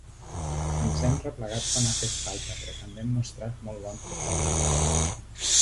Ens hem replegat quan ha fet falta però també hem mostrat molt bon futbol.